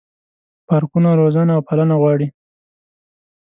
پارکونه روزنه او پالنه غواړي.